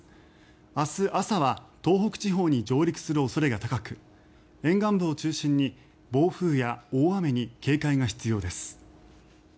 明日朝は東北地方に上陸する恐れが高く沿岸部を中心に暴風や大雨に警戒が必要です。